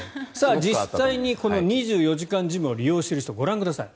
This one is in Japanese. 実際に２４時間ジムを利用している方ご覧ください。